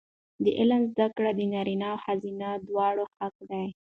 د علم زده کړه د نارینه او ښځینه دواړو حق دی.